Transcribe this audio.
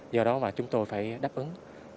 do đó mà chúng tôi phải đáp ứng